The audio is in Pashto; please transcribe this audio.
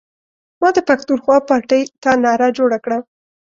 ما د پښتونخوا پارټۍ ته نعره جوړه کړه.